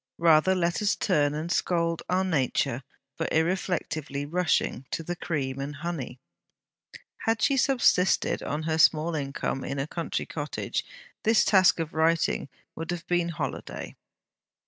Rather let us turn and scold our nature for irreflectively rushing to the cream and honey! Had she subsisted on her small income in a country cottage, this task of writing would have been holiday.